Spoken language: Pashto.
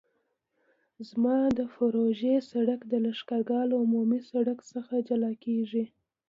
زما د پروژې سرک د لښکرګاه له عمومي سرک څخه جلا کیږي